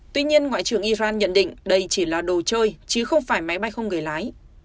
tuy nhiên ngoại trưởng iran nhận định đây chỉ là đồ chơi chứ không phải máy bay không người lái